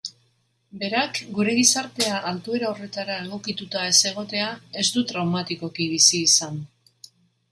Berak gure gizartea altuera horretara egokituta ez egotea ez du traumatikoki bizi izan.